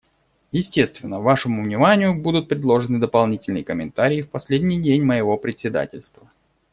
Естественно, вашему вниманию будут предложены дополнительные комментарии в последний день моего председательства.